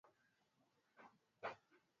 elizabeth wa kwanza alikuwa malkia wa uingereza